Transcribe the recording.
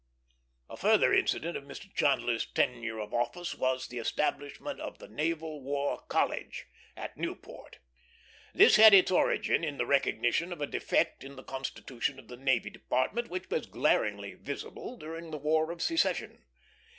A further incident of Mr. Chandler's tenure of office was the establishment of the Naval War College at Newport. This had its origin in the recognition of a defect in the constitution of the Navy Department, which was glaringly visible during the War of Secession.